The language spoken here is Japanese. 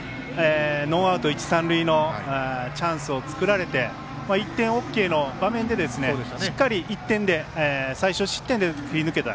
ノーアウト、一塁三塁のチャンスを作られて１点ＯＫの場面でしっかり１点で最少失点で切り抜けた。